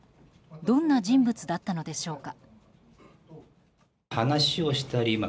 どんな人物だったのでしょうか。